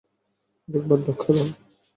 আরেকবার ধাক্কা দাও, হ্যাঁ।